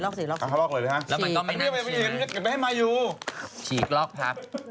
ลอกลอกเลยลอก๔ร็ากเลยคะแล้าก็ไม่น่ามันเห็นมาอยู่ฉีกลอกพับ